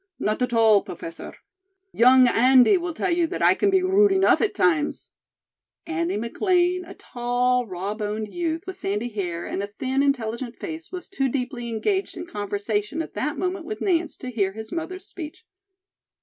"Not at all, Professor; young Andy will tell you that I can be rude enough at times." Andy McLean, a tall, raw boned youth with sandy hair and a thin, intelligent face, was too deeply engaged in conversation at that moment with Nance, to hear his mother's speech.